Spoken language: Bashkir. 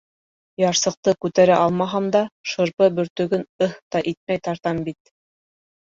Ярсыҡты күтәрә алмаһам да, Шырпы бөртөгөн «ыһ» та итмәй тартам бит.